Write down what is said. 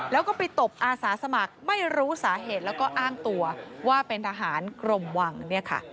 แล้วก็ไปตบอาสาสมัครไม่รู้สาเหตุแล้วก็อ้างตัวว่าเป็นทหารกรมวังเนี่ยค่ะ